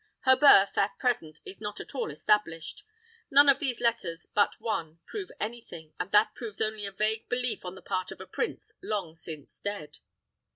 Her birth, at present, is not at all established. None of these letters but one prove any thing, and that proves only a vague belief on the part of a prince long since dead."